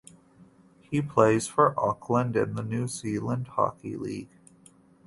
He plays for Auckland in the New Zealand Hockey League.